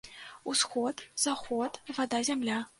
Усход, заход, вада, зямля.